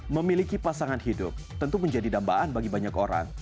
memiliki pasangan hidup tentu menjadi dambaan bagi banyak orang